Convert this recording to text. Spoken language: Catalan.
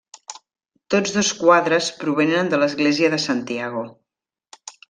Tots dos quadres provenen de l'església de Santiago.